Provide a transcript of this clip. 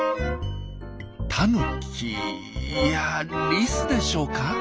タヌキ？いやリスでしょうか？